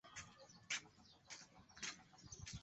和贺仙人站北上线的车站。